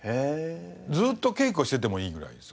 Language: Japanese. ずっと稽古しててもいいぐらいです